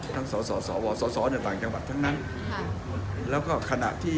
ทั้งสาวสาวสาวต่างจังหวัดทั้งนั้น